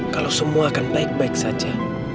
kalau semua akan baik baik saja